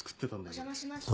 ・お邪魔します。